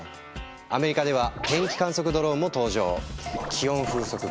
アメリカでは天気観測ドローンも登場。